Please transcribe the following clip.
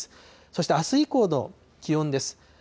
そして、あす以降の気温です。